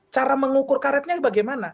cara mengukur karetnya bagaimana